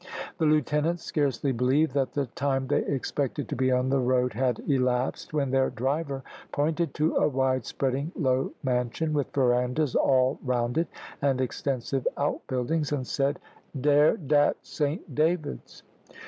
The lieutenants scarcely believed that the time they expected to be on the road had elapsed, when their driver pointed to a wide spreading, low mansion, with verandahs all round it, and extensive outbuildings, and said "Dere, dat Saint David's."